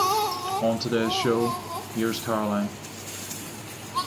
On Today's Show...Here's Caroline!